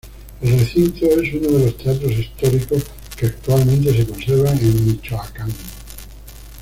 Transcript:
El recinto es uno de los teatros históricos que actualmente se conservan en Michoacán.